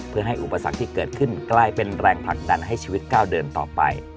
เพื่อให้อุปสรรคที่เกิดขึ้นกลายเป็นแรงผลักดันให้ชีวิตก้าวเดินต่อไป